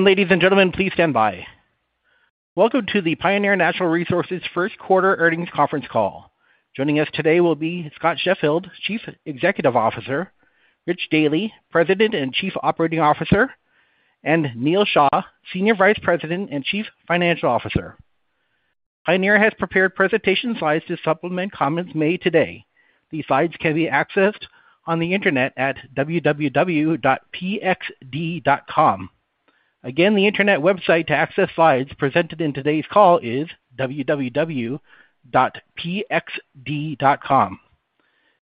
Ladies and gentlemen, please stand by. Welcome to the Pioneer Natural Resources First Quarter Earnings Conference Call. Joining us today will be Scott Sheffield, Chief Executive Officer, Rich Dealy, President and Chief Operating Officer, and Neal Shah, Senior Vice President and Chief Financial Officer. Pioneer has prepared presentation slides to supplement comments made today. These slides can be accessed on the internet at www.pxd.com. Again, the internet website to access slides presented in today's call is www.pxd.com.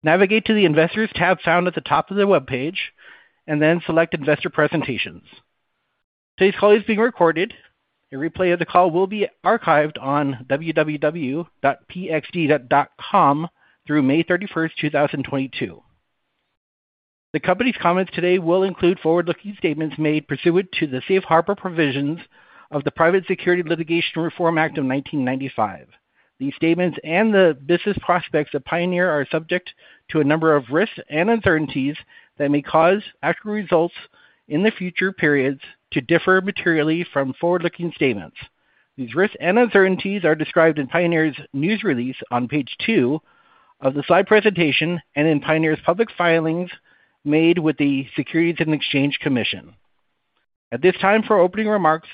Navigate to the Investors tab found at the top of the webpage and then select Investor Presentations. Today's call is being recorded. A replay of the call will be archived on www.pxd.com through May 31, 2022. The company's comments today will include forward-looking statements made pursuant to the Safe Harbor provisions of the Private Securities Litigation Reform Act of 1995. These statements and the business prospects of Pioneer are subject to a number of risks and uncertainties that may cause actual results in the future periods to differ materially from forward-looking statements. These risks and uncertainties are described in Pioneer's news release on page two of the slide presentation and in Pioneer's public filings made with the Securities and Exchange Commission. At this time, for opening remarks,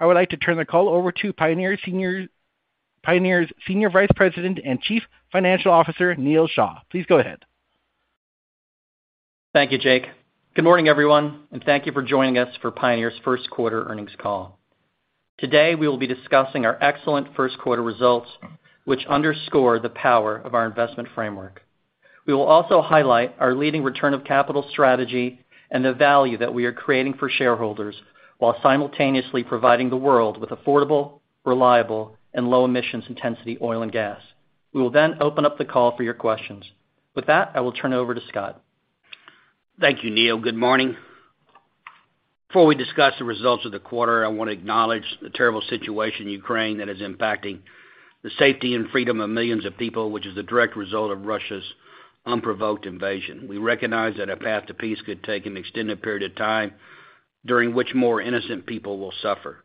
I would like to turn the call over to Pioneer's Senior Vice President and Chief Financial Officer, Neal Shah. Please go ahead. Thank you, Jake. Good morning, everyone, and thank you for joining us for Pioneer's first quarter earnings call. Today, we will be discussing our excellent first quarter results, which underscore the power of our investment framework. We will also highlight our leading return of capital strategy and the value that we are creating for shareholders while simultaneously providing the world with affordable, reliable, and low emissions intensity oil and gas. We will then open up the call for your questions. With that, I will turn it over to Scott. Thank you, Neal. Good morning. Before we discuss the results of the quarter, I wanna acknowledge the terrible situation in Ukraine that is impacting the safety and freedom of millions of people, which is the direct result of Russia's unprovoked invasion. We recognize that a path to peace could take an extended period of time, during which more innocent people will suffer.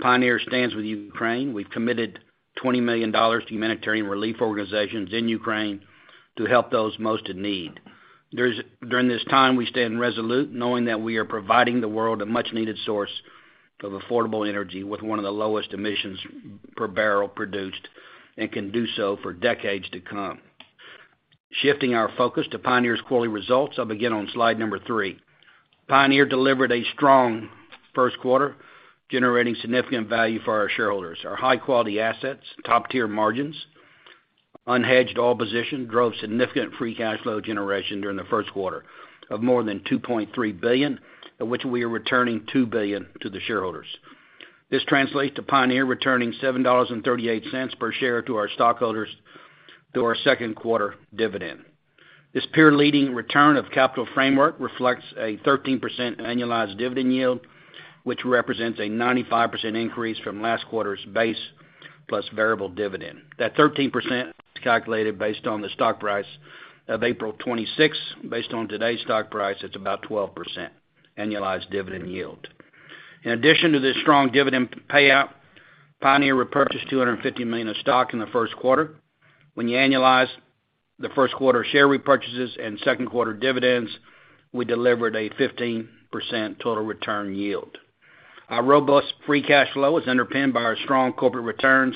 Pioneer stands with Ukraine. We've committed $20 million to humanitarian relief organizations in Ukraine to help those most in need. During this time, we stand resolute, knowing that we are providing the world a much-needed source of affordable energy with one of the lowest emissions per barrel produced, and can do so for decades to come. Shifting our focus to Pioneer's quarterly results, I'll begin on slide number three. Pioneer delivered a strong first quarter, generating significant value for our shareholders. Our high-quality assets, top-tier margins, unhedged oil positions, drove significant free cash flow generation during the first quarter of more than $2.3 billion, of which we are returning $2 billion to the shareholders. This translates to Pioneer returning $7.38 per share to our stockholders through our second quarter dividend. This peer-leading return of capital framework reflects a 13% annualized dividend yield, which represents a 95% increase from last quarter's base plus variable dividend. That 13% is calculated based on the stock price of April 26. Based on today's stock price, it's about 12% annualized dividend yield. In addition to this strong dividend payout, Pioneer repurchased $250 million of stock in the first quarter. When you annualize the first quarter share repurchases and second quarter dividends, we delivered a 15% total return yield. Our robust free cash flow is underpinned by our strong corporate returns.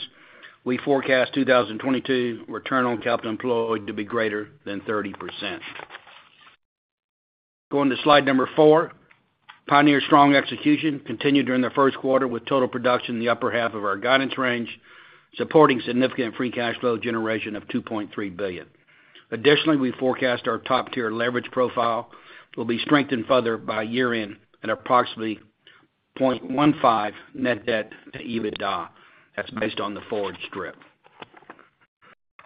We forecast 2022 return on capital employed to be greater than 30%. Going to slide 4. Pioneer's strong execution continued during the first quarter with Total Production in the upper half of our guidance range, supporting significant free cash flow generation of $2.3 billion. Additionally, we forecast our top-tier leverage profile will be strengthened further by year-end at approximately 0.15 net debt to EBITDA. That's based on the forward strip.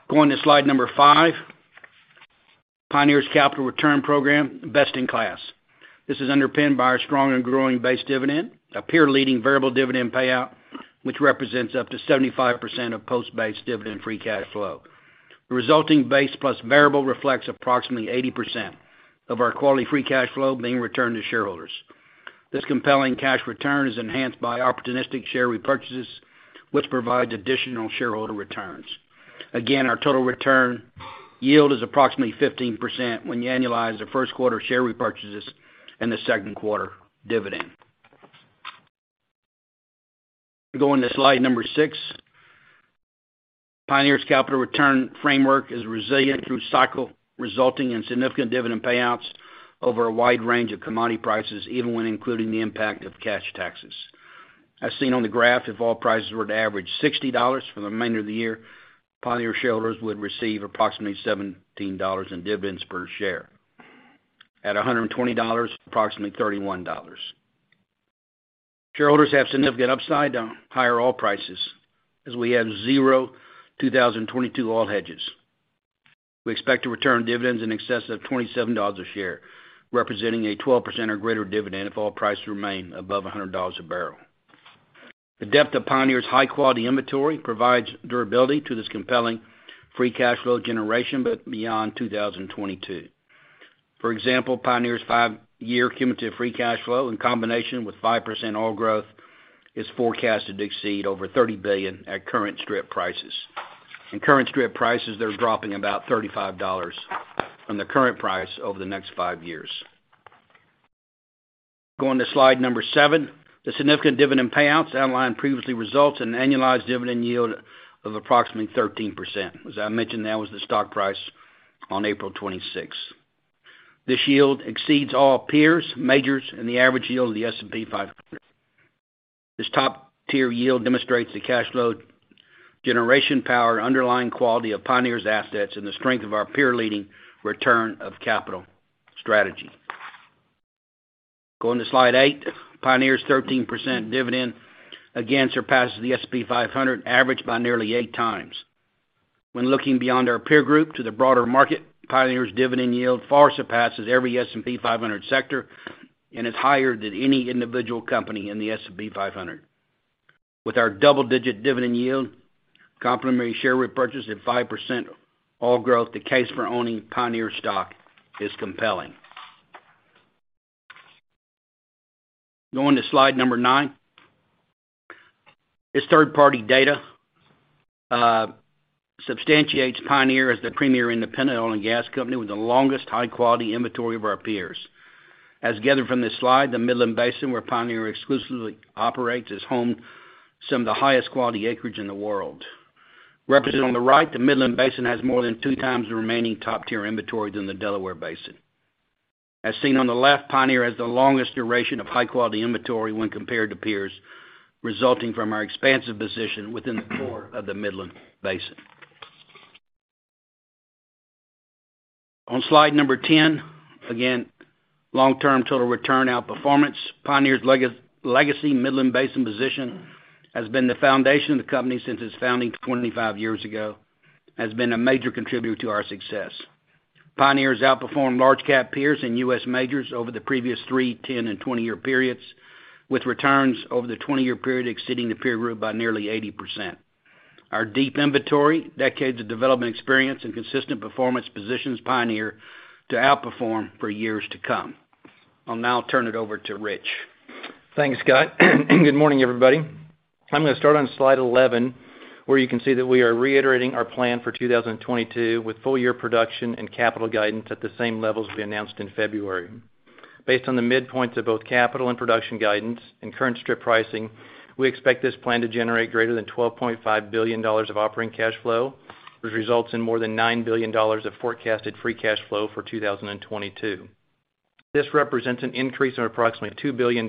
Going to slide five. Pioneer's capital return program, best in class. This is underpinned by our strong and growing base dividend, a peer-leading variable dividend payout, which represents up to 75% of post-base dividend free cash flow. The resulting base plus variable reflects approximately 80% of our quality free cash flow being returned to shareholders. This compelling cash return is enhanced by opportunistic share repurchases, which provides additional shareholder returns. Again, our total return yield is approximately 15% when you annualize the first quarter share repurchases and the second quarter dividend. Going to slide number six. Pioneer's capital return framework is resilient through cycle, resulting in significant dividend payouts over a wide range of commodity prices, even when including the impact of cash taxes. As seen on the graph, if oil prices were to average $60 for the remainder of the year, Pioneer shareholders would receive approximately $17 in dividends per share. At $120, approximately $31. Shareholders have significant upside to higher oil prices as we have zero 2022 oil hedges. We expect to return dividends in excess of $27 a share, representing a 12% or greater dividend if oil prices remain above $100 a barrel. The depth of Pioneer's high-quality inventory provides durability to this compelling free cash flow generation, but beyond 2022. For example, Pioneer's five-year cumulative free cash flow, in combination with 5% oil growth, is forecasted to exceed over $30 billion at current strip prices. In current strip prices, they're dropping about $35 from the current price over the next five years. Going to slide number seven. The significant dividend payouts outlined previously results in an annualized dividend yield of approximately 13%. As I mentioned, that was the stock price on April 26th. This yield exceeds all peers, majors, and the average yield of the S&P 500. This top-tier yield demonstrates the cash flow generation power underlying quality of Pioneer's assets and the strength of our peer-leading return of capital strategy. Going to slide eight. Pioneer's 13% dividend again surpasses the S&P 500 average by nearly 8x. When looking beyond our peer group to the broader market, Pioneer's dividend yield far surpasses every S&P 500 sector and is higher than any individual company in the S&P 500. With our double-digit dividend yield, complementary share repurchase at 5% oil growth, the case for owning Pioneer stock is compelling. Going to slide number nine. This third-party data substantiates Pioneer as the premier independent oil and gas company with the longest high-quality inventory of our peers. As gathered from this slide, the Midland Basin, where Pioneer exclusively operates, is home to some of the highest quality acreage in the world. Represented on the right, the Midland Basin has more than 2x the remaining top-tier inventory than the Delaware Basin. As seen on the left, Pioneer has the longest duration of high-quality inventory when compared to peers, resulting from our expansive position within the core of the Midland Basin. On slide number 10, again, long-term total return outperformance. Pioneer's legacy Midland Basin position has been the foundation of the company since its founding 25 years ago, has been a major contributor to our success. Pioneer has outperformed large cap peers and U.S. majors over the previous three, 10, and 20-year periods, with returns over the 20-year period exceeding the peer group by nearly 80%. Our deep inventory, decades of development experience, and consistent performance positions Pioneer to outperform for years to come. I'll now turn it over to Rich. Thanks, Scott. Good morning everybody. I'm gonna start on slide 11, where you can see that we are reiterating our plan for 2022 with full-year production and capital guidance at the same levels we announced in February. Based on the midpoints of both capital and production guidance and current strip pricing, we expect this plan to generate greater than $12.5 billion of operating cash flow, which results in more than $9 billion of forecasted free cash flow for 2022. This represents an increase of approximately $2 billion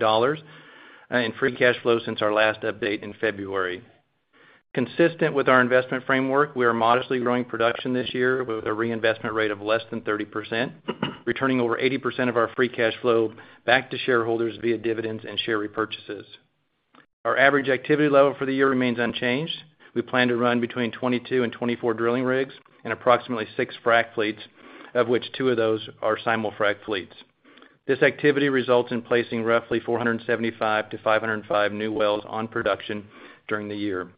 in free cash flow since our last update in February. Consistent with our investment framework, we are modestly growing production this year with a reinvestment rate of less than 30%, returning over 80% of our free cash flow back to shareholders via dividends and share repurchases. Our average activity level for the year remains unchanged. We plan to run between 22 and 24 drilling rigs and approximately 6 frac fleets, of which two of those are simul-frac fleets. This activity results in placing roughly 475 to 505 new wells on production during the year.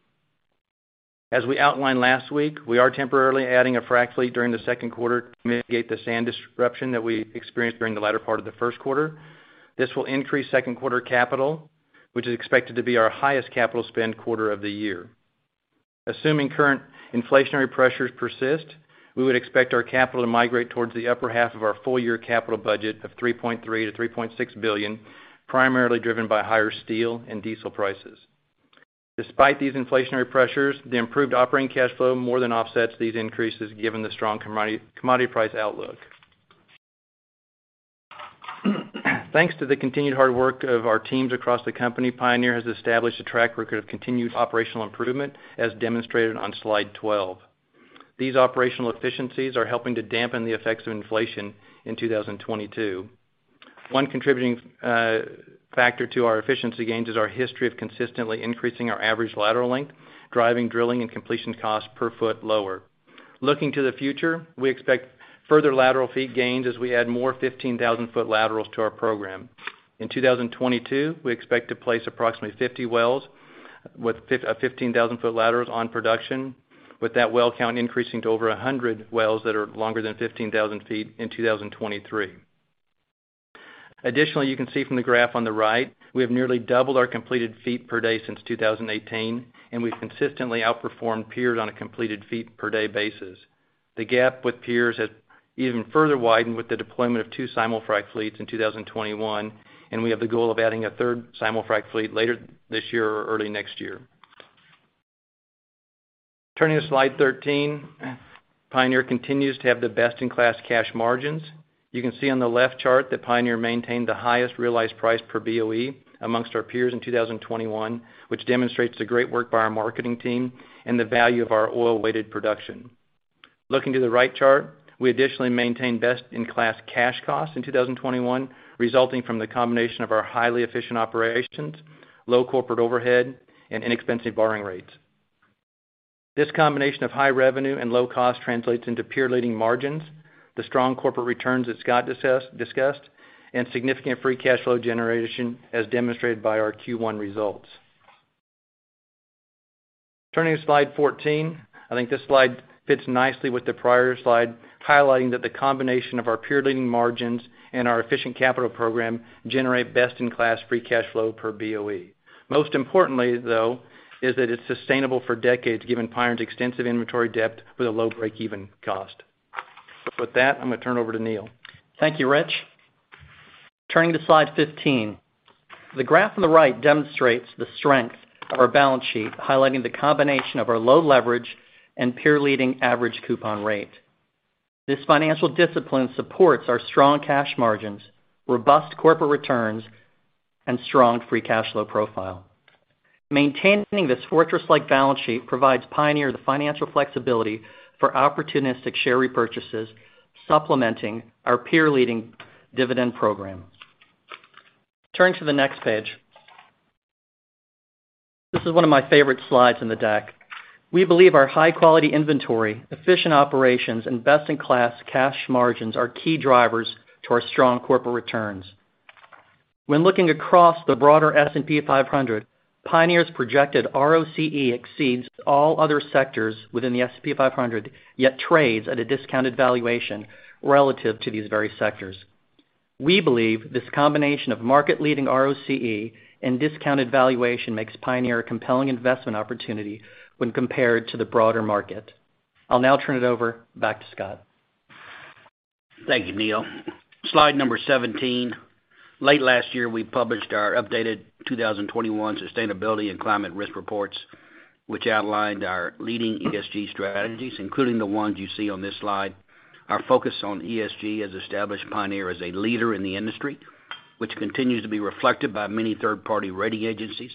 As we outlined last week, we are temporarily adding a frac fleet during the second quarter to mitigate the sand disruption that we experienced during the latter part of the first quarter. This will increase second quarter capital, which is expected to be our highest capital spend quarter of the year. Assuming current inflationary pressures persist, we would expect our capital to migrate towards the upper half of our full-year capital budget of $3.3 billion-$3.6 billion, primarily driven by higher steel and diesel prices. Despite these inflationary pressures, the improved operating cash flow more than offsets these increases given the strong commodity price outlook. Thanks to the continued hard work of our teams across the company, Pioneer has established a track record of continued operational improvement, as demonstrated on slide 12. These operational efficiencies are helping to dampen the effects of inflation in 2022. One contributing factor to our efficiency gains is our history of consistently increasing our average lateral length, driving drilling and completion costs per foot lower. Looking to the future, we expect further lateral feet gains as we add more 15,000-foot laterals to our program. In 2022, we expect to place approximately 50 wells with 15,000-foot laterals on production, with that well count increasing to over 100 wells that are longer than 15,000 feet in 2023. Additionally, you can see from the graph on the right, we have nearly doubled our completed feet per day since 2018, and we've consistently outperformed peers on a completed feet per day basis. The gap with peers has even further widened with the deployment of 2 simul-frac fleets in 2021, and we have the goal of adding 1/3 simul-frac fleet later this year or early next year. Turning to slide 13, Pioneer continues to have the best-in-class cash margins. You can see on the left chart that Pioneer maintained the highest realized price per BOE among our peers in 2021, which demonstrates the great work by our marketing team and the value of our oil-weighted production. Looking to the right chart, we additionally maintained best-in-class cash costs in 2021, resulting from the combination of our highly efficient operations, low corporate overhead, and inexpensive borrowing rates. This combination of high revenue and low cost translates into peer-leading margins, the strong corporate returns that Scott discussed, and significant free cash flow generation, as demonstrated by our Q1 results. Turning to slide 14, I think this slide fits nicely with the prior slide, highlighting that the combination of our peer-leading margins and our efficient capital program generate best-in-class free cash flow per BOE. Most importantly, though, is that it's sustainable for decades, given Pioneer's extensive inventory depth with a low break-even cost. With that, I'm gonna turn it over to Neal. Thank you, Rich. Turning to slide 15. The graph on the right demonstrates the strength of our balance sheet, highlighting the combination of our low leverage and peer-leading average coupon rate. This financial discipline supports our strong cash margins, robust corporate returns, and strong free cash flow profile. Maintaining this fortress-like balance sheet provides Pioneer the financial flexibility for opportunistic share repurchases, supplementing our peer-leading dividend program. Turning to the next page. This is one of my favorite slides in the deck. We believe our high-quality inventory, efficient operations, and best-in-class cash margins are key drivers to our strong corporate returns. When looking across the broader S&P 500, Pioneer's projected ROCE exceeds all other sectors within the S&P 500, yet trades at a discounted valuation relative to these very sectors. We believe this combination of market-leading ROCE and discounted valuation makes Pioneer a compelling investment opportunity when compared to the broader market. I'll now turn it over back to Scott. Thank you, Neal. Slide number 17. Late last year, we published our updated 2021 sustainability and climate risk reports, which outlined our leading ESG strategies, including the ones you see on this slide. Our focus on ESG has established Pioneer as a leader in the industry, which continues to be reflected by many third-party rating agencies.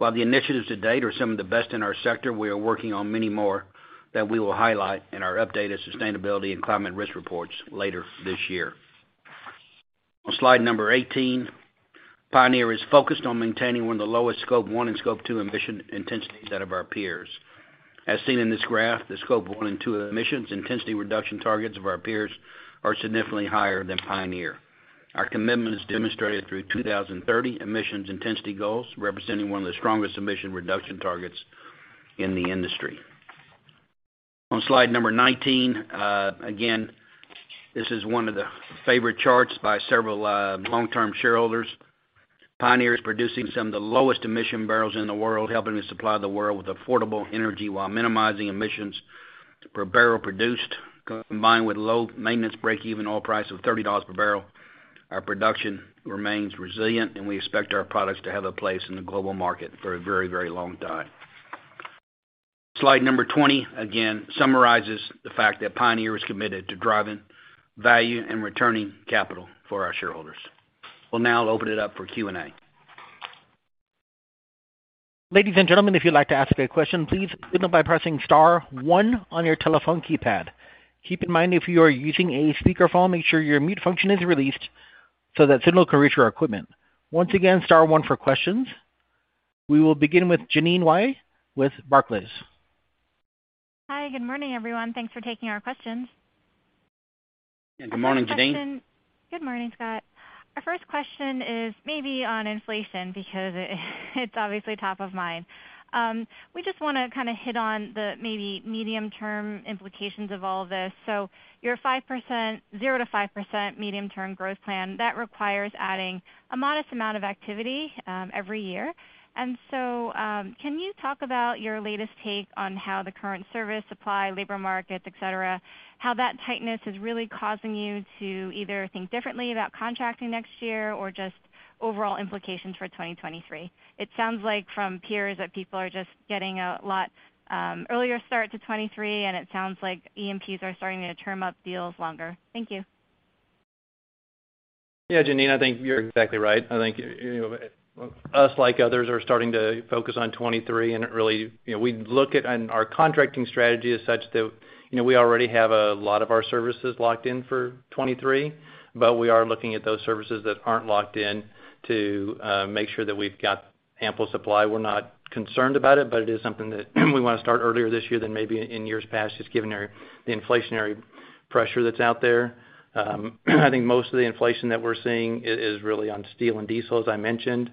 While the initiatives to date are some of the best in our sector, we are working on many more that we will highlight in our updated sustainability and climate risk reports later this year. On slide number 18, Pioneer is focused on maintaining one of the lowest Scope 1 and Scope 2 emission intensities out of our peers. As seen in this graph, the Scope 1 and 2 emissions intensity reduction targets of our peers are significantly higher than Pioneer. Our commitment is demonstrated through 2030 emissions intensity goals, representing one of the strongest emission reduction targets in the industry. On slide number 19, again, this is one of the favorite charts by several long-term shareholders. Pioneer is producing some of the lowest emission barrels in the world, helping to supply the world with affordable energy while minimizing emissions per barrel produced, combined with low maintenance break-even oil price of $30 per barrel. Our production remains resilient, and we expect our products to have a place in the global market for a very, very long time. Slide number 20, again, summarizes the fact that Pioneer is committed to driving value and returning capital for our shareholders. We'll now open it up for Q&A. Ladies and gentlemen, if you'd like to ask a question, please signal by pressing star one on your telephone keypad. Keep in mind, if you are using a speakerphone, make sure your mute function is released so that signal can reach our equipment. Once again, star one for questions. We will begin with Jeanine Wai with Barclays. Hi, good morning, everyone. Thanks for taking our questions. Good morning, Jeanine. Good morning Scott. Our first question is maybe on inflation because it's obviously top of mind. We just wanna kinda hit on the maybe medium-term implications of all this. Your 0%-5% medium-term growth plan, that requires adding a modest amount of activity every year. Can you talk about your latest take on how the current service supply, labor markets, et cetera, how that tightness is really causing you to either think differently about contracting next year or just overall implications for 2023? It sounds like from peers that people are just getting a lot earlier start to 2023, and it sounds like E&Ps are starting to term up deals longer. Thank you. Yeah, Jeanine I think you're exactly right. I think you know, us like others are starting to focus on 2023, and it really you know, our contracting strategy is such that you know, we already have a lot of our services locked in for 2023, but we are looking at those services that aren't locked in to make sure that we've got ample supply. We're not concerned about it, but it is something that we wanna start earlier this year than maybe in years past, just given the inflationary pressure that's out there. I think most of the inflation that we're seeing is really on steel and diesel, as I mentioned.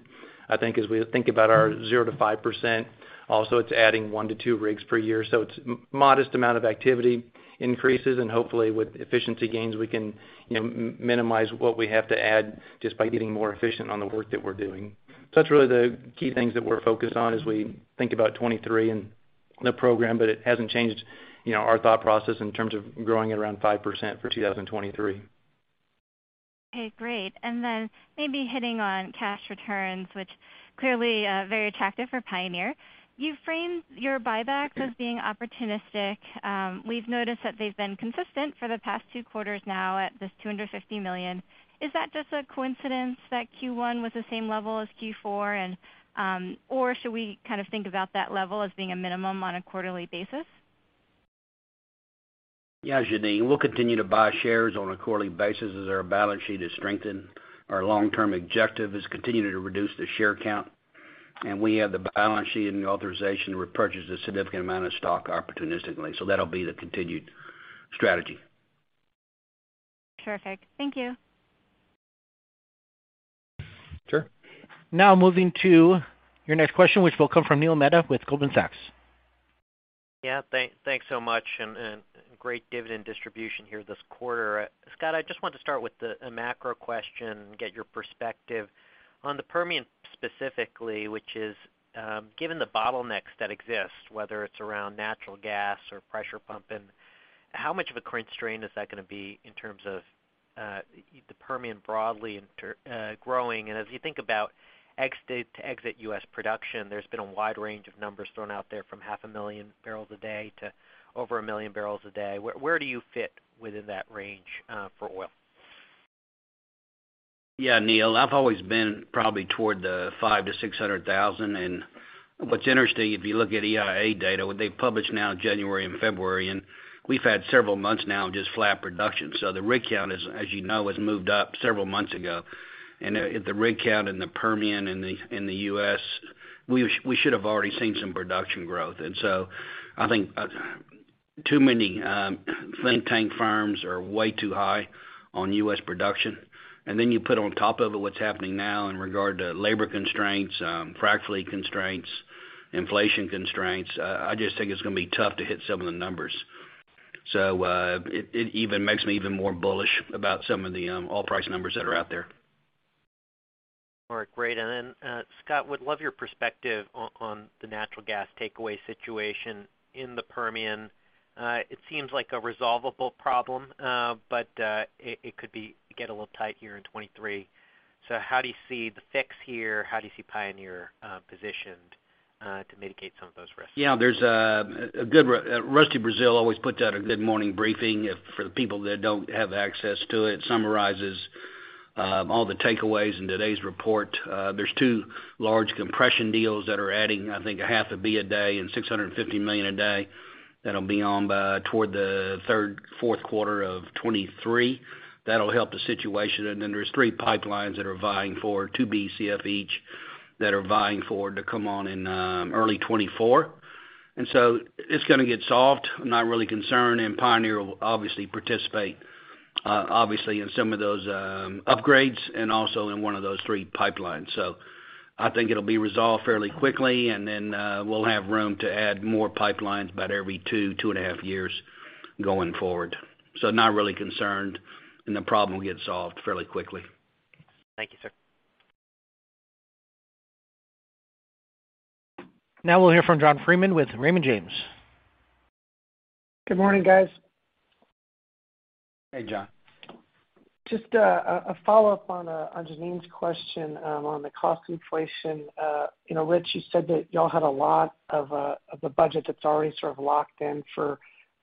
I think as we think about our 0%-5%, also it's adding 1-2 rigs per year. It's modest amount of activity increases, and hopefully with efficiency gains, we can, you know, minimize what we have to add just by getting more efficient on the work that we're doing. That's really the key things that we're focused on as we think about 2023 and the program, but it hasn't changed, you know, our thought process in terms of growing at around 5% for 2023. Okay, great. Maybe hitting on cash returns, which clearly very attractive for Pioneer. You framed your buybacks as being opportunistic. We've noticed that they've been consistent for the past two quarters now at this $250 million. Is that just a coincidence that Q1 was the same level as Q4? Or should we kind of think about that level as being a minimum on a quarterly basis? Yeah, Jeanine we'll continue to buy shares on a quarterly basis as our balance sheet is strengthened. Our long-term objective is continuing to reduce the share count, and we have the balance sheet and the authorization to repurchase a significant amount of stock opportunistically. That'll be the continued strategy. Perfect. Thank you. Sure. Now, moving to your next question, which will come from Neil Mehta with Goldman Sachs. Yeah. Thanks so much and great dividend distribution here this quarter. Scott, I just want to start with a macro question, get your perspective. On the Permian specifically, which is, given the bottlenecks that exist, whether it's around natural gas or pressure pumping, how much of a constraint is that gonna be in terms of, the Permian broadly growing? As you think about exit U.S. production, there's been a wide range of numbers thrown out there from 500,000 bbl/d to over 1 million bbl/d. Where do you fit within that range, for oil? Yeah, Neil, I've always been probably toward the 500,000 bbl/d-600,000 bbl/d. What's interesting, if you look at EIA data, what they've published now in January and February, we've had several months now of just flat production. The rig count is, as you know, has moved up several months ago. The rig count in the Permian and in the U.S, we should have already seen some production growth. I think too many think tank firms are way too high on U.S production. You put on top of it what's happening now in regard to labor constraints, frac fleet constraints, inflation constraints, I just think it's gonna be tough to hit some of the numbers. It even makes me even more bullish about some of the oil price numbers that are out there. All right, great. Then, Scott, would love your perspective on the natural gas takeaway situation in the Permian. It seems like a resolvable problem, but it could get a little tight here in 2023. How do you see the fix here? How do you see Pioneer positioned to mitigate some of those risks? Yeah. There's Rusty Braziel always puts out a good morning briefing. For the people that don't have access to it summarizes all the takeaways in today's report. There's two large compression deals that are adding, I think, a half a Bcf a day and 650 million a day that'll be on by toward the third, fourth quarter of 2023. That'll help the situation. There's three pipelines that are vying for 2 Bcf each to come on in early 2024. It's gonna get solved. I'm not really concerned, and Pioneer will obviously participate in some of those upgrades and also in one of those three pipelines. I think it'll be resolved fairly quickly, and then we'll have room to add more pipelines about every two and a half years going forward. Not really concerned, and the problem will get solved fairly quickly. Thank you, sir. Now we'll hear from John Freeman with Raymond James. Good morning, guys. Hey, John. Just a follow-up on Jeanine's question on the cost inflation. You know, Rich, you said that y'all had a lot of the budget that's already sort of locked in for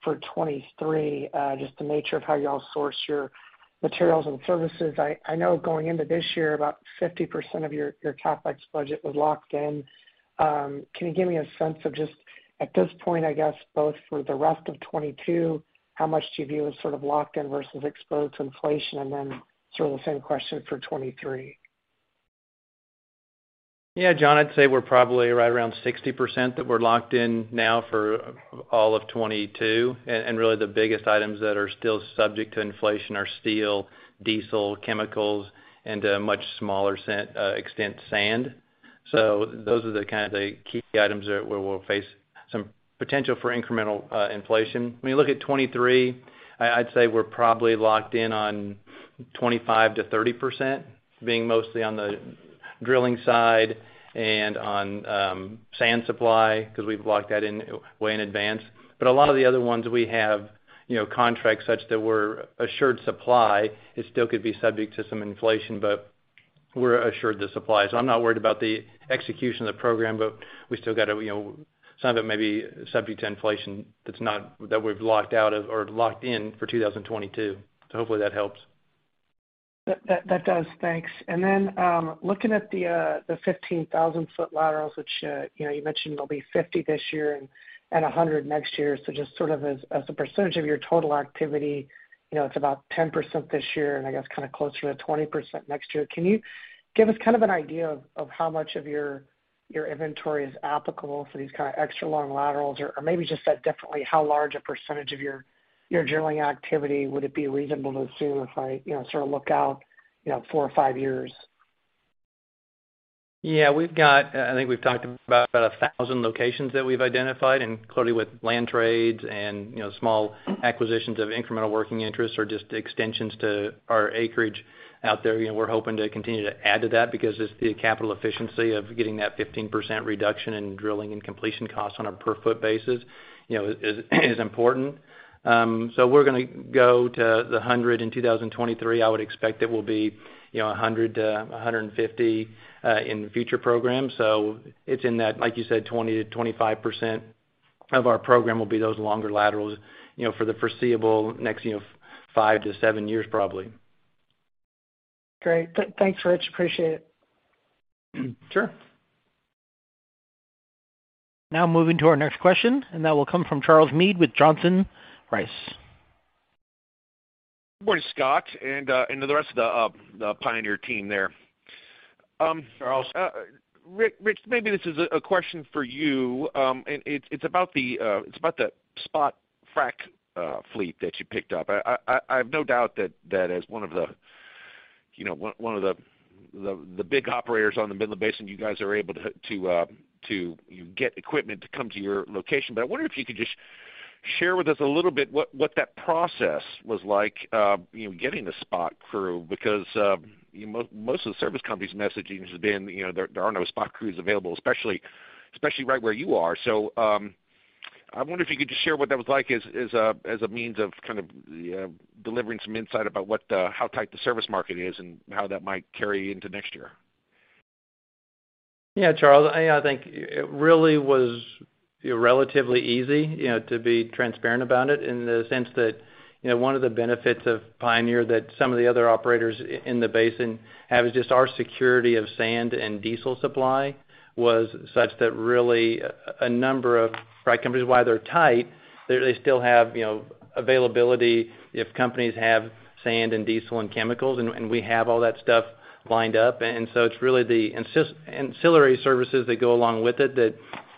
2023, just the nature of how y'all source your materials and services. I know going into this year, about 50% of your CapEx budget was locked in. Can you give me a sense of just, at this point, I guess both for the rest of 2022, how much do you view as sort of locked in versus exposed to inflation? Then sort of the same question for 2023. Yeah, John, I'd say we're probably right around 60% that we're locked in now for all of 2022. Really the biggest items that are still subject to inflation are steel, diesel, chemicals, and to a much smaller extent, sand. Those are the kind of the key items where we'll face some potential for incremental inflation. When you look at 2023, I'd say we're probably locked in on 25%-30% being mostly on the drilling side and on sand supply, because we've locked that in way in advance. A lot of the other ones, we have, you know, contracts such that we're assured supply. It still could be subject to some inflation, but we're assured the supply. I'm not worried about the execution of the program, but we still got to, you know, some of it may be subject to inflation that we've locked out of or locked in for 2022. Hopefully that helps. That does. Thanks. Then, looking at the 15,000 foot laterals, which you know, you mentioned there'll be 50 this year and 100 next year. Just sort of as a percentage of your total activity, you know, it's about 10% this year and I guess kind of closer to 20% next year. Can you give us kind of an idea of how much of your inventory is applicable for these kind of extra long laterals? Or maybe just said differently, how large a percentage of your drilling activity would it be reasonable to assume if I you know, sort of look out you know, four or five years? Yeah. We've got, I think we've talked about about 1,000 locations that we've identified and clearly with land trades and, you know, small acquisitions of incremental working interests or just extensions to our acreage out there, you know, we're hoping to continue to add to that because it's the capital efficiency of getting that 15% reduction in drilling and completion costs on a per foot basis, you know, is important. We're gonna go to 100 in 2023. I would expect it will be, you know, 100-150 in the future program. It's in that, like you said, 20%-25% of our program will be those longer laterals, you know, for the foreseeable next, you know, five to seven years, probably. Great. Thanks, Rich. Appreciate it. Sure. Now moving to our next question, and that will come from Charles Meade with Johnson Rice. Good morning, Scott, and to the rest of the Pioneer team there. Charles. Rich, maybe this is a question for you. It's about the spot frac fleet that you picked up. I have no doubt that as one of the big operators on the Midland Basin, you guys are able to get equipment to come to your location. I wonder if you could just share with us a little bit what that process was like, you know, getting the spot crew because, you know, most of the service companies' messaging has been, you know, there are no spot crews available, especially right where you are. I wonder if you could just share what that was like as a means of kind of delivering some insight about how tight the service market is and how that might carry into next year. Yeah, Charles. I think it really was, you know, relatively easy, you know, to be transparent about it in the sense that, you know, one of the benefits of Pioneer that some of the other operators in the basin have is just our security of sand and diesel supply was such that really a number of frac companies, while they're tight, they still have, you know, availability if companies have sand and diesel and chemicals, and we have all that stuff lined up. It's really the ancillary services that go along with it that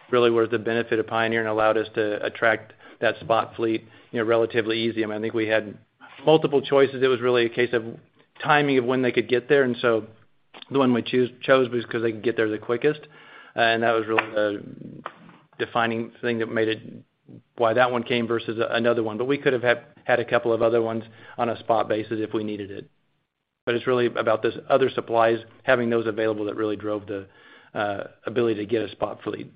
really were the benefit of Pioneer and allowed us to attract that spot fleet, you know, relatively easy. I mean, I think we had multiple choices. It was really a case of timing of when they could get there. The one we chose was because they could get there the quickest. That was really the defining thing that made it why that one came versus another one. We could have had a couple of other ones on a spot basis if we needed it. It's really about those other supplies, having those available that really drove the ability to get a spot fleet.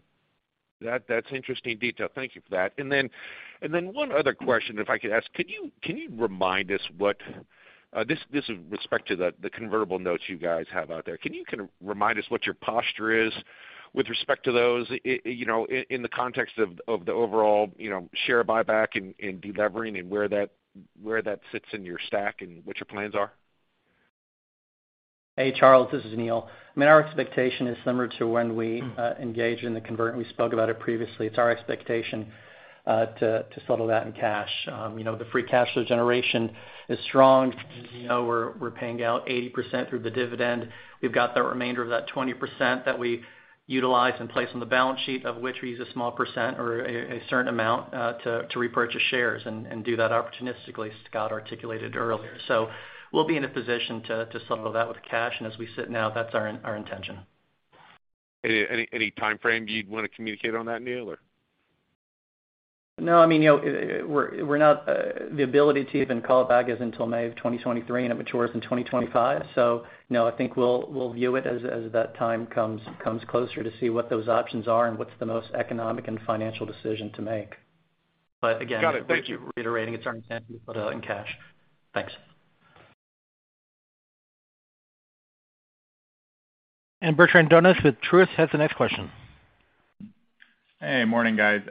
That's interesting detail. Thank you for that. One other question, if I could ask. Can you remind us what this is with respect to the convertible notes you guys have out there. Can you kind of remind us what your posture is with respect to those, you know, in the context of the overall, you know, share buyback and delevering and where that sits in your stack and what your plans are? Hey, Charles, this is Neal. I mean, our expectation is similar to when we engaged in the convertible. We spoke about it previously. It's our expectation to settle that in cash. You know, the free cash flow generation is strong. You know, we're paying out 80% through the dividend. We've got the remainder of that 20% that we utilize and place on the balance sheet of which we use a small percent or a certain amount to repurchase shares and do that opportunistically, as Scott articulated earlier. We'll be in a position to settle that with cash. As we sit now, that's our intention. Any timeframe you'd want to communicate on that, Neal, or? No, I mean, you know, we're not. The ability to even call it back isn't till May of 2023, and it matures in 2025. No, I think we'll view it as that time comes closer to see what those options are and what's the most economic and financial decision to make. But again. Got it. Thank you. Reiterating it's our intention to put it in cash. Thanks. Bertrand Donnes with Truist has the next question. Hey, morning, guys.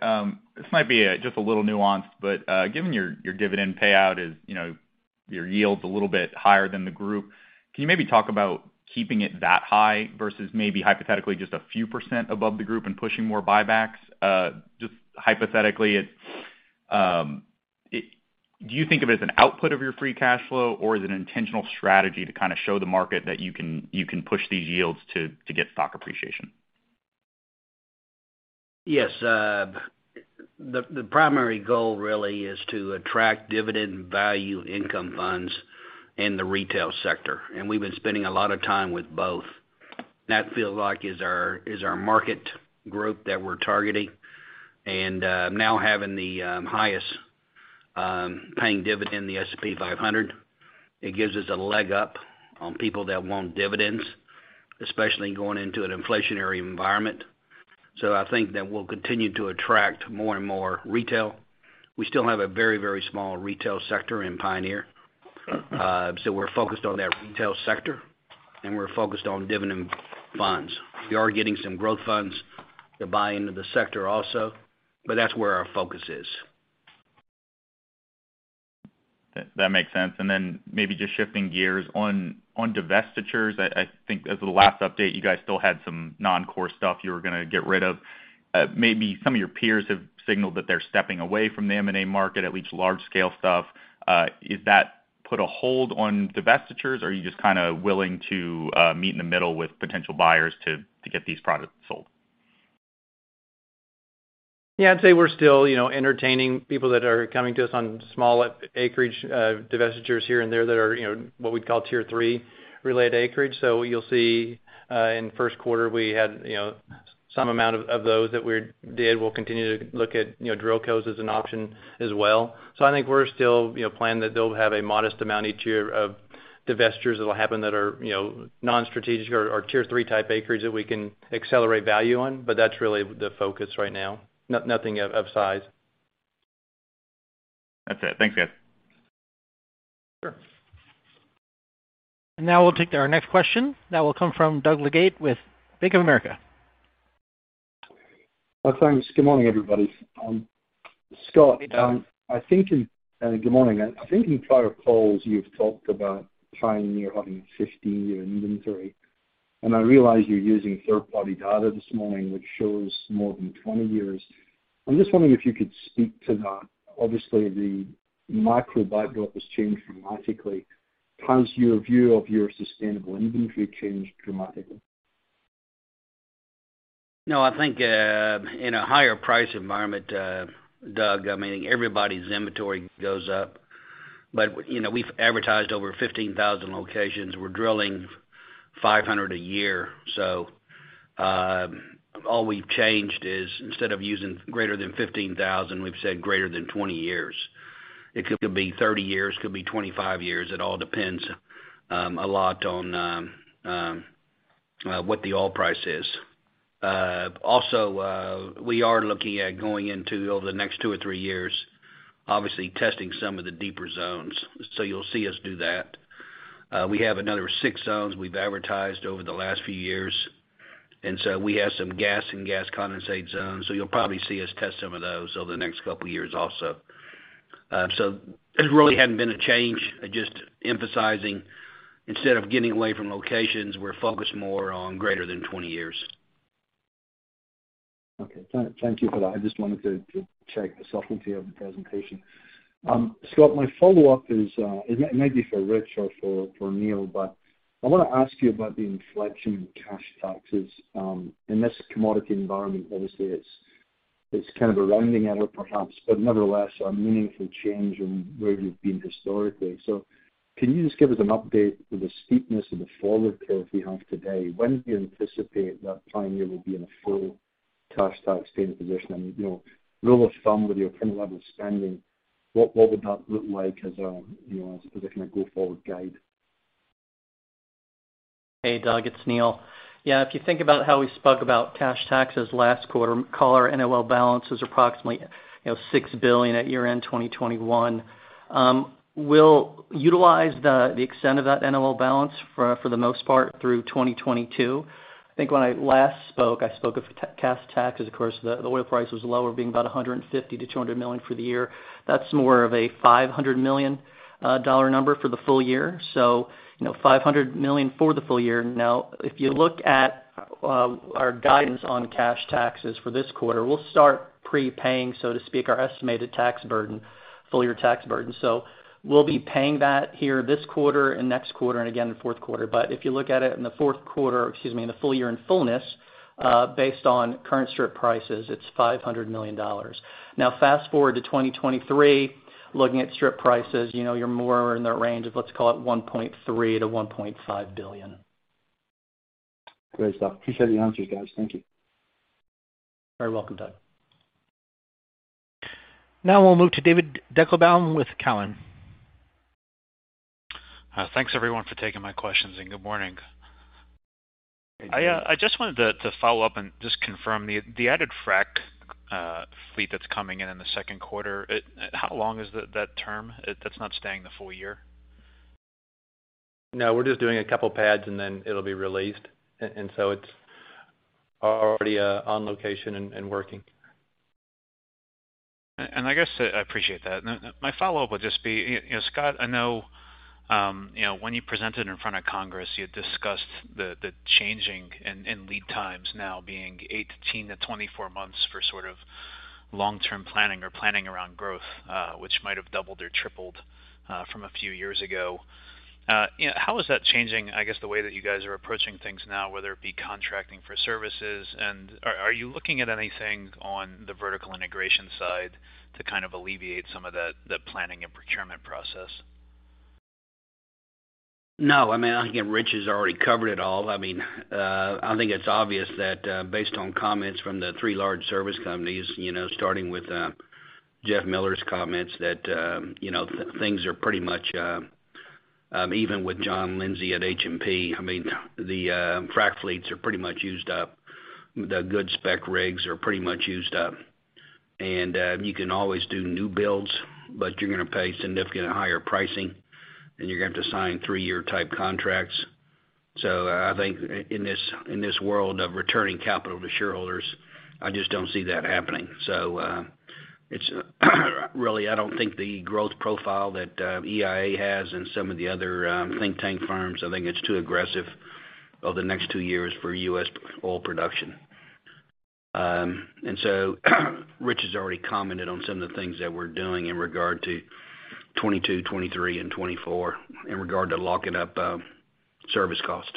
This might be just a little nuanced, but given your dividend payout is, you know, your yield's a little bit higher than the group, can you maybe talk about keeping it that high versus maybe hypothetically just a few percent above the group and pushing more buybacks? Just hypothetically, do you think of it as an output of your free cash flow, or is it an intentional strategy to kind of show the market that you can push these yields to get stock appreciation? Yes. The primary goal really is to attract dividend value income funds in the retail sector, and we've been spending a lot of time with both. That feels like is our market group that we're targeting. Now having the highest paying dividend in the S&P 500, it gives us a leg up on people that want dividends, especially going into an inflationary environment. I think that we'll continue to attract more and more retail. We still have a very, very small retail sector in Pioneer. We're focused on that retail sector, and we're focused on dividend funds. We are getting some growth funds to buy into the sector also, but that's where our focus is. That makes sense. Then maybe just shifting gears on divestitures, I think as of the last update, you guys still had some non-core stuff you were gonna get rid of. Maybe some of your peers have signaled that they're stepping away from the M&A market, at least large scale stuff. Has that put a hold on divestitures, or are you just kinda willing to meet in the middle with potential buyers to get these products sold? Yeah, I'd say we're still, you know, entertaining people that are coming to us on small acreage divestitures here and there that are, you know, what we'd call tier three related acreage. You'll see in first quarter, we had, you know, some amount of those that we did. We'll continue to look at, you know, DrillCos as an option as well. I think we're still, you know, planning that they'll have a modest amount each year of divestitures that'll happen that are, you know, non-strategic or tier three type acreage that we can accelerate value on, but that's really the focus right now. Nothing of size. That's it. Thanks, guys. Sure. Now we'll take our next question. That will come from Doug Leggate with Bank of America. Thanks. Good morning, everybody. Scott, good morning. I think in prior calls you've talked about Pioneer having 15-year inventory, and I realize you're using third party data this morning, which shows more than 20 years. I'm just wondering if you could speak to that. Obviously, the macro backdrop has changed dramatically. Has your view of your sustainable inventory changed dramatically? No, I think in a higher price environment, Doug, I mean, everybody's inventory goes up. You know, we've identified over 15,000 locations. We're drilling 500 a year. All we've changed is instead of using greater than 15,000, we've said greater than 20 years. It could be 30 years, could be 25 years. It all depends a lot on what the oil price is. Also, we are looking at going into over the next two or three years, obviously testing some of the deeper zones. You'll see us do that. We have another six zones we've identified over the last few years, and so we have some gas and gas condensate zones, so you'll probably see us test some of those over the next couple years also. There really hadn't been a change, just emphasizing instead of getting away from locations, we're focused more on greater than 20 years. Okay. Thank you for that. I just wanted to check the subtlety of the presentation. Scott, my follow-up is, it may be for Rich or for Neal, but I wanna ask you about the inflection in cash taxes in this commodity environment. Obviously, it's kind of a rounding error perhaps, but nevertheless a meaningful change in where you've been historically. Can you just give us an update for the steepness of the forward curve you have today? When do you anticipate that Pioneer will be in a full cash tax paying position? You know, rule of thumb with your current level of spending, what would that look like as a kind of go forward guide? Hey, Doug, it's Neal. Yeah, if you think about how we spoke about cash taxes last quarter, recall our NOL balance is approximately, you know, $6 billion at year-end 2021. We'll utilize the extent of that NOL balance for the most part through 2022. I think when I last spoke, I spoke of cash taxes, of course, the oil price was lower, being about $150 million-$200 million for the year. That's more of a $500 million dollar number for the full year. So, you know, $500 million for the full year. Now, if you look at our guidance on cash taxes for this quarter, we'll start prepaying, so to speak, our estimated tax burden, full year tax burden. So we'll be paying that here this quarter and next quarter and again in fourth quarter. If you look at it in the full year in full, based on current strip prices, it's $500 million. Now fast forward to 2023, looking at strip prices, you know, you're more in the range of, let's call it $1.3 billion-$1.5 billion. Great stuff. Appreciate the answers, guys. Thank you. You're welcome, Doug. Now we'll move to David Deckelbaum with Cowen. Thanks everyone for taking my questions, and good morning. Hey, David. I just wanted to follow up and just confirm the added frac fleet that's coming in in the second quarter. How long is that term? It's not staying the full year? No, we're just doing a couple pads and then it'll be released. It's already on location and working. I guess, I appreciate that. Now my follow-up would just be, you know, Scott, I know, you know, when you presented in front of Congress, you had discussed the change in lead times now being 18-24 months for sort of long-term planning or planning around growth, which might have doubled or tripled from a few years ago. You know, how is that changing, I guess, the way that you guys are approaching things now, whether it be contracting for services? Are you looking at anything on the vertical integration side to kind of alleviate some of the planning and procurement process? No, I mean, I think Rich has already covered it all. I mean, I think it's obvious that, based on comments from the three large service companies, you know, starting with, Jeff Miller's comments that, you know, things are pretty much, even with John Lindsay at H&P, I mean, the, frac fleets are pretty much used up. The good spec rigs are pretty much used up. You can always do new builds, but you're gonna pay significantly higher pricing, and you're gonna have to sign three-year type contracts. I think in this world of returning capital to shareholders, I just don't see that happening. It's really, I don't think the growth profile that EIA has and some of the other think tank firms, I think it's too aggressive over the next two years for U.S. Oil Production. Rich has already commented on some of the things that we're doing in regard to 2022-2023 and 2024 in regard to locking up service cost.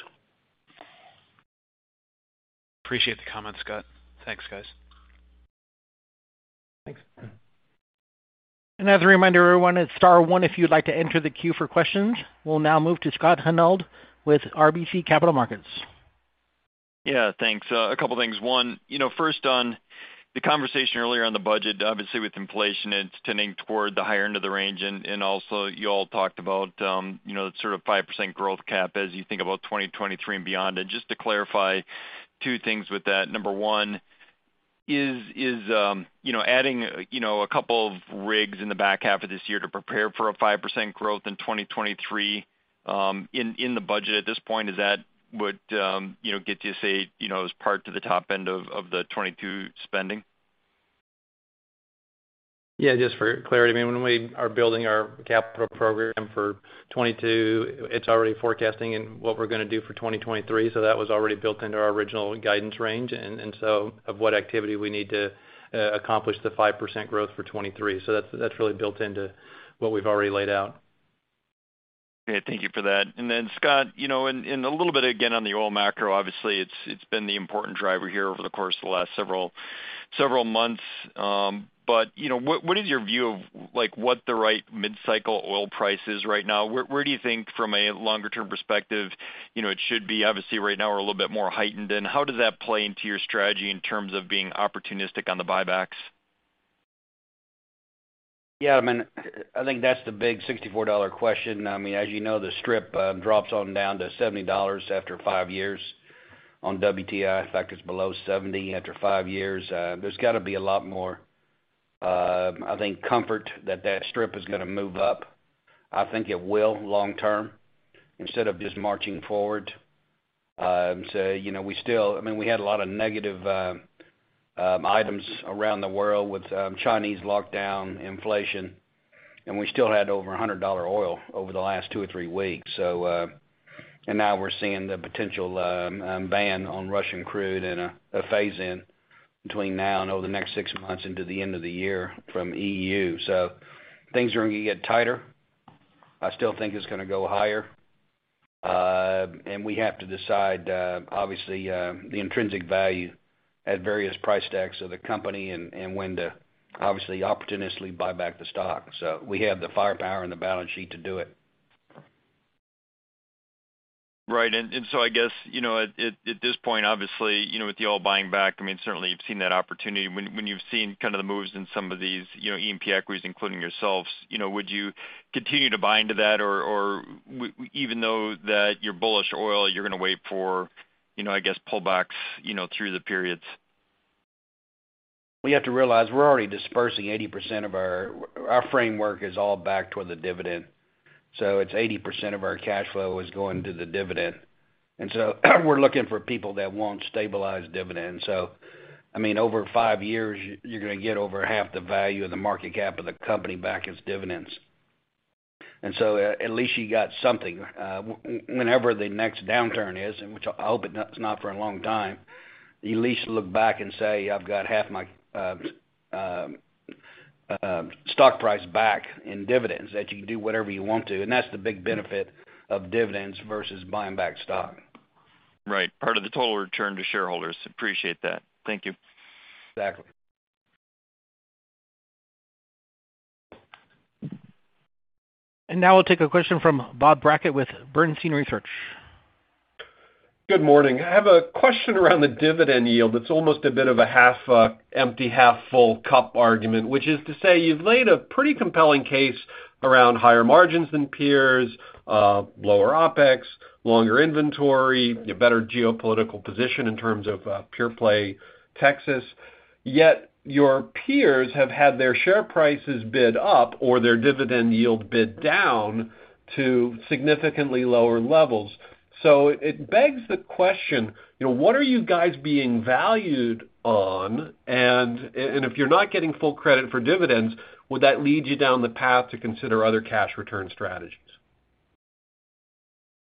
Appreciate the comment, Scott. Thanks, guys. Thanks. As a reminder, everyone, it's star one if you'd like to enter the queue for questions. We'll now move to Scott Hanold with RBC Capital Markets. Yeah, thanks. A couple things. One, you know, first on the conversation earlier on the budget, obviously with inflation, it's tending toward the higher end of the range. Also you all talked about, you know, sort of 5% growth cap as you think about 2023 and beyond. Just to clarify two things with that. Number one, is you know adding you know a couple of rigs in the back half of this year to prepare for a 5% growth in 2023, in the budget at this point, is part of the top end of the 2022 spending? Yeah, just for clarity. I mean, when we are building our capital program for 2022, it's already forecasting in what we're gonna do for 2023, so that was already built into our original guidance range. And so of what activity we need to accomplish the 5% growth for 2023. That's really built into what we've already laid out. Okay, thank you for that. Then, Scott, you know, and a little bit again on the oil macro, obviously it's been the important driver here over the course of the last several months. You know, what is your view of, like, what the right mid-cycle oil price is right now? Where do you think from a longer term perspective, you know, it should be? Obviously right now we're a little bit more heightened. How does that play into your strategy in terms of being opportunistic on the buybacks? Yeah, I mean, I think that's the big $64 question. I mean, as you know, the strip drops on down to $70 after five years on WTI. In fact, it's below $70 after five years. There's gotta be a lot more, I think, comfort that that strip is gonna move up. I think it will long-term instead of just marching forward. You know, we still. I mean, we had a lot of negative items around the world with Chinese lockdown, inflation, and we still had over $100 oil over the last two or three weeks. And now we're seeing the potential ban on Russian crude and a phase in between now and over the next six months into the end of the year from EU. Things are gonna get tighter. I still think it's gonna go higher. We have to decide obviously the intrinsic value at various price stacks of the company and when to obviously opportunistically buy back the stock. We have the firepower and the balance sheet to do it. Right. I guess, you know, at this point, obviously, you know, with the oil buying back, I mean, certainly you've seen that opportunity. When you've seen kind of the moves in some of these, you know, E&P equities, including yourselves, you know, would you continue to buy into that? Or even though that you're bullish on oil, you're gonna wait for, you know, I guess, pullbacks, you know, through the periods? Well, you have to realize we're already distributing 80% of our cash flow. Our framework is all backed with a dividend. It's 80% of our cash flow is going to the dividend. We're looking for people that want stabilized dividends. I mean, over five years, you're gonna get over half the value of the market cap of the company back as dividends. At least you got something. Whenever the next downturn is, and which I hope it's not for a long time, you at least look back and say, "I've got half my stock price back in dividends," that you can do whatever you want to. That's the big benefit of dividends versus buying back stock. Right. Part of the total return to shareholders. Appreciate that. Thank you. Exactly. Now I'll take a question from Bob Brackett with Bernstein Research. Good morning. I have a question around the dividend yield that's almost a bit of a half empty, half full cup argument, which is to say you've laid a pretty compelling case around higher margins than peers, lower OpEx, longer inventory, a better geopolitical position in terms of pure play Texas. Yet your peers have had their share prices bid up or their dividend yield bid down to significantly lower levels. It begs the question, you know, what are you guys being valued on? And if you're not getting full credit for dividends, would that lead you down the path to consider other cash return strategies?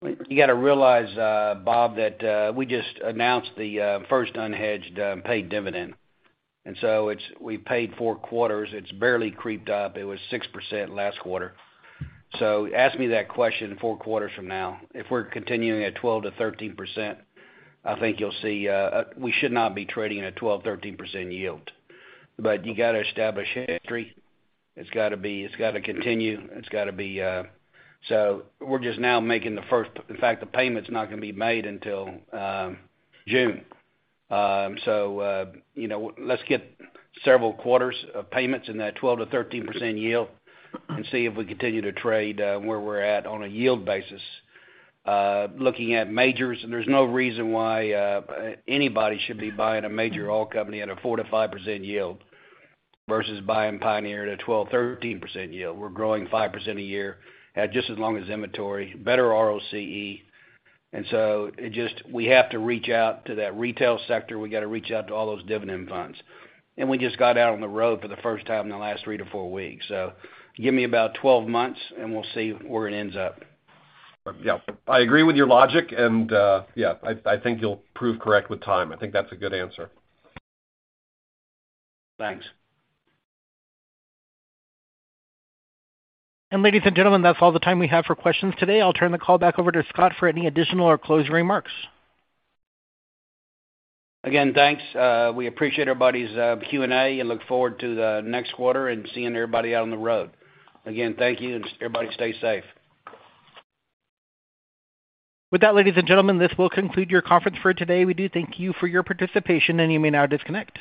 You gotta realize, Bob, that we just announced the first unhedged paid dividend. We paid four quarters. It's barely crept up. It was 6% last quarter. Ask me that question four quarters from now. If we're continuing at 12%-13%, I think you'll see we should not be trading at 12%-13% yield. You gotta establish history. It's gotta continue. We're just now making the first. In fact, the payment's not gonna be made until June. You know, let's get several quarters of payments in that 12%-13% yield and see if we continue to trade where we're at on a yield basis. Looking at majors, there's no reason why anybody should be buying a major oil company at a 4%-5% yield versus buying Pioneer at a 12%-13% yield. We're growing 5% a year, have just as long as inventory, better ROCE. It just we have to reach out to that retail sector. We gotta reach out to all those dividend funds. We just got out on the road for the first time in the last three to four weeks. Give me about 12 months and we'll see where it ends up. Yeah. I agree with your logic and yeah, I think you'll prove correct with time. I think that's a good answer. Thanks. Ladies and gentlemen, that's all the time we have for questions today. I'll turn the call back over to Scott for any additional or closing remarks. Again, thanks. We appreciate everybody's Q&A and look forward to the next quarter and seeing everybody out on the road. Again, thank you, and everybody stay safe. With that, ladies and gentlemen, this will conclude your conference for today. We do thank you for your participation, and you may now disconnect.